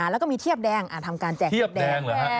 แล้วก็มีเทียบแดงทำการแจกเทียบแดง